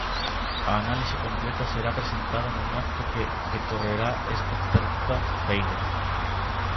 A análise completa será presentada nun acto que decorrerá esta terza feira.